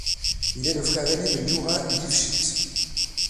Il est le frère ainé de Youra Livchitz.